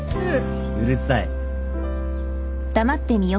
うるさい。